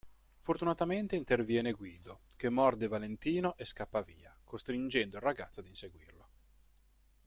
Fortunatamente interviene Guido che morde Valentino e scappa via, costringendo il ragazzo ad inseguirlo.